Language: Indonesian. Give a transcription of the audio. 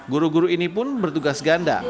guru guru ini pun bertugas ganda